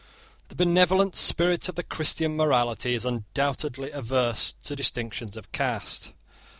The benevolent spirit of the Christian morality is undoubtedly adverse to distinctions of caste.